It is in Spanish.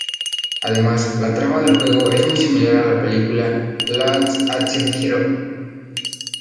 Además, la trama del juego es muy similar a la película Last Action Hero.